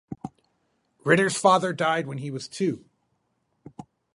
Ritter's father died when he was two.